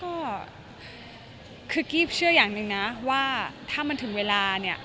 ก็คือกี้เชื่ออย่างหนึ่งนะว่าถ้ามันถึงเวลาเนี่ย